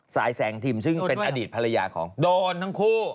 แสงทิมซึ่งเป็นอดีตภรรยาของโดนทั้งคู่